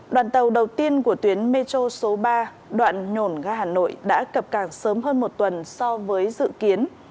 đoàn tàu đầu tiên của tuyến metro số ba đoạn nhổn ga hà nội đã cập cảng sớm hơn một tuần so với dự kiến